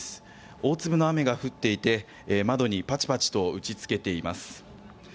大粒の雨が降っていて窓にパチパチと打ちつけています。